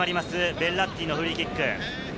ベッラッティのフリーキック。